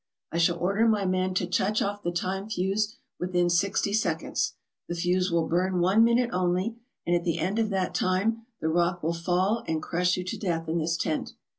I shall order my men to touch off the time fuse within sixty seconds. The fuse will burn one minute only, and at the end of that time the rock will fall and crush you to death in this tent."